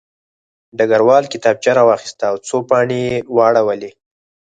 ډګروال کتابچه راواخیسته او څو پاڼې یې واړولې